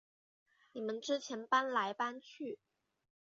你们之前搬来搬去